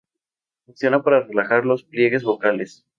Funciona para relajar los pliegues vocales.